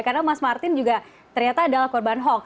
karena mas martin juga ternyata adalah korban hoax